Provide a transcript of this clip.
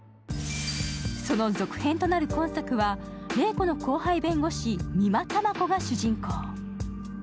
その続編となる今作は麗子の後輩弁護士、美馬玉子が主人公。